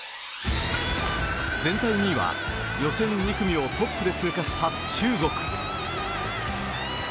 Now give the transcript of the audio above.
全体２位は予選２組をトップで通過した中国。